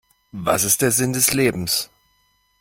Was ist der Sinn des Lebens?